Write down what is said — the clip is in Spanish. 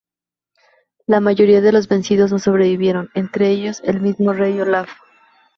La mayoría de los vencidos no sobrevivieron, entre ellos el mismo rey Olaf.